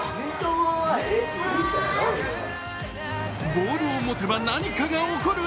ボールを持てば何かが起こる。